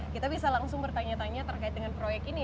kita bisa langsung bertanya tanya terkait dengan proyek ini